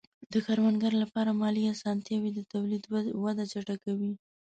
د کروندګرو لپاره مالي آسانتیاوې د تولید وده چټکوي.